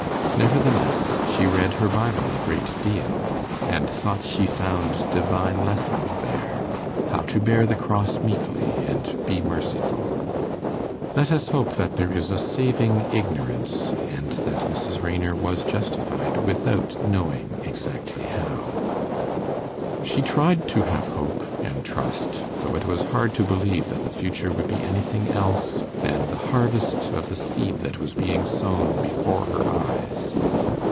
Nevertheless, she read her Bible a great deal, and thought she found divine lessons there how to bear the cross meekly, and be merciful. Let us hope that there is a saving ignorance, and that Mrs. Raynor was justified without knowing exactly how. She tried to have hope and trust, though it was hard to believe that the future would be anything else than the harvest of the seed that was being sown before her eyes.